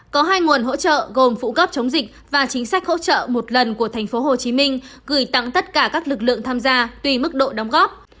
có hai nguồn hỗ trợ gồm phụ cấp chống dịch và chính sách hỗ trợ một lần của tp hcm gửi tặng tất cả các lực lượng tham gia tùy mức độ đóng góp